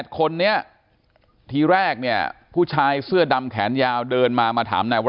คนนี้ทีแรกเนี่ยผู้ชายเสื้อดำแขนยาวเดินมามาถามนายวร